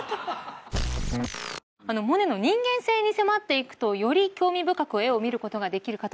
モネの人間性に迫っていくとより興味深く絵を見ることができるかと思います。